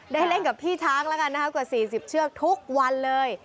ได้เล่นกับพี่ช้างแล้วกันนะครับกว่า๔๐เชือกทุกวันเลย